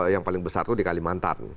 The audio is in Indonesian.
yang paling besar itu di kalimantan